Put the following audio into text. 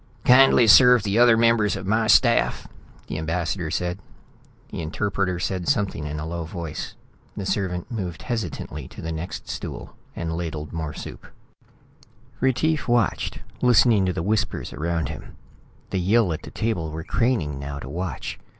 "Kindly serve the other members of my staff," the ambassador said. The interpreter said something in a low voice. The servant moved hesitantly to the next stool and ladled more soup. Retief watched, listening to the whispers around him. The Yill at the table were craning now to watch.